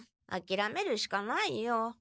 あきらめるしかないよ。